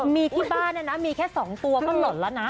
มีที่บ้านเนี่ยนะมีแค่๒ตัวก็หล่นแล้วนะ